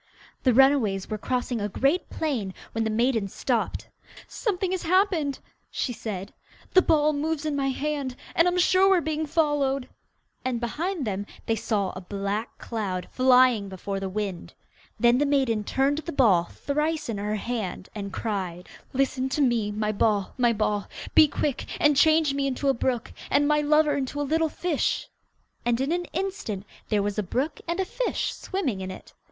The runaways were crossing a great plain, when the maiden stopped. 'Something has happened!' she said. 'The ball moves in my hand, and I'm sure we are being followed!' and behind them they saw a black cloud flying before the wind. Then the maiden turned the ball thrice in her hand, and cried, 'Listen to me, my ball, my ball. Be quick and change me into a brook, And my lover into a little fish.' And in an instant there was a brook with a fish swimming in it.